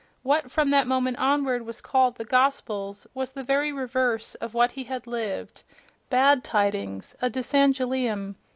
What, from that moment onward, was called the "Gospels" was the very reverse of what he had lived: "bad tidings," a Dysangelium.